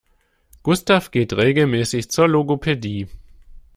Gustav geht regelmäßig zur Logopädie.